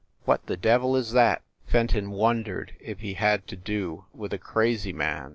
"What the devil is that ?" Fenton wondered if he had to do with a crazy man.